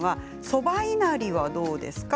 そばいなりはどうですか。